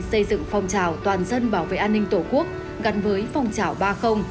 xây dựng phòng trào toàn dân bảo vệ an ninh tổ quốc gắn với phòng trào ba